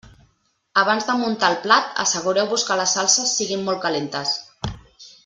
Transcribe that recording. Abans de muntar el plat, assegureu-vos que les salses siguin molt calentes.